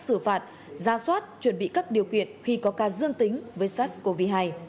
xử phạt ra soát chuẩn bị các điều kiện khi có ca dương tính với sars cov hai